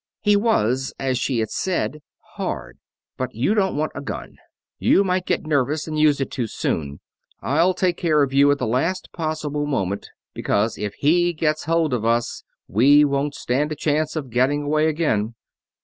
He was, as she had said, hard. "But you don't want a gun. You might get nervous and use it too soon. I'll take care of you at the last possible moment, because if he gets hold of us we won't stand a chance of getting away again."